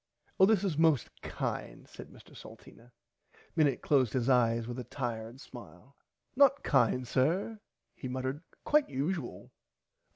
Oh this is most kind said Mr Salteena. Minnit closed his eyes with a tired smile. Not kind sir he muttered quite usual.